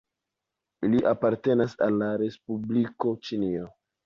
Ili apartenas al la Respubliko Ĉinio.